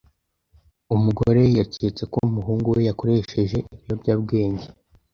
Umugore yaketse ko umuhungu we yakoresheje ibiyobyabwenge.